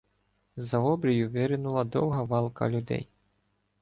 З-за обрію виринула довга валка людей.